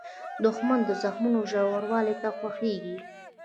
دښمن د زخمونو ژوروالۍ ته خوښیږي